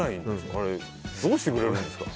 どうしてくれるんですか。